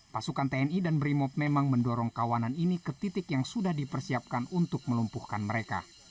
pasukan tni dan brimob memang mendorong kawanan ini ke titik yang sudah dipersiapkan untuk melumpuhkan mereka